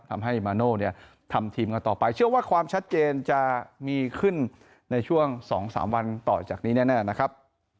ทำให้มาโน่เนี่ยทำทีมกันต่อไปเชื่อว่าความชัดเจนจะมีขึ้นในช่วง๒๓วันต่อจากนี้แน่นะครับ